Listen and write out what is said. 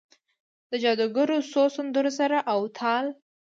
د جادوګرو څو سندرو سر او تال،